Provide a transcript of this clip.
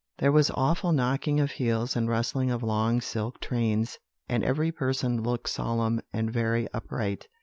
There was awful knocking of heels and rustling of long silk trains; and every person looked solemn and very upright.